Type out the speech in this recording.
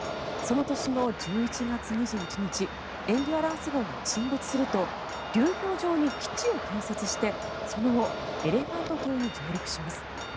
その年の１１月２１日「エンデュアランス号」が沈没すると流氷上に基地を建設してその後、エレファント島に上陸します。